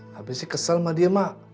tapi sih kesel sama dia mak